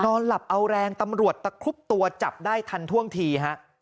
นอนหลับเอาแรงตำรวจตะครุบตัวจับได้ทันท่วงทีฮะ